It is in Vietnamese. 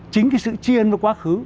chính sự chiên với quá khứ